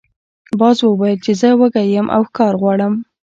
باز وویل چې زه وږی یم او ښکار غواړم.